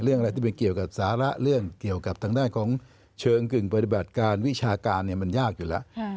เรื่องอะไรที่มันเกี่ยวกับสาระเรื่องเกี่ยวกับทางด้านของเชิงกึ่งปฏิบัติการวิชาการมันยากอยู่แล้ว